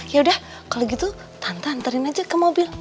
ya udah kalau gitu tante antarin aja ke mobil